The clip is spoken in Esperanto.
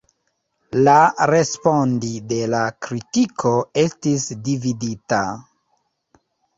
La respondi de la kritiko estis dividita.